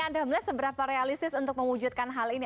anda melihat seberapa realistis untuk mewujudkan hal ini